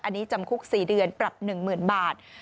อันนี้จำคุก๔เดือนปรับ๑๐๐๐บาท